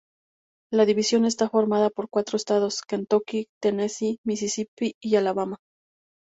La división está formada por cuatro estadosː Kentucky, Tennessee, Misisipi y Alabama.